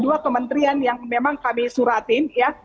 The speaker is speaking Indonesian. ada dua kementrian yang memang kami suratin ya